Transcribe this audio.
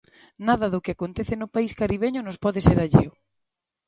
Nada do que acontece no país caribeño nos pode ser alleo.